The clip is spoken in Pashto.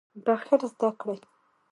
بخښل زده کړئ